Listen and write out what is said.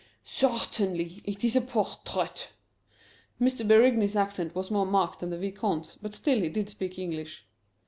"Certainly, it is a portrait." M. Berigny's accent was more marked than the Vicomte's, but still he did speak English.